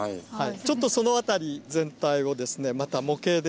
ちょっとその辺り全体をまた模型で。